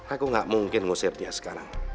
aku gak mungkin ngusir dia sekarang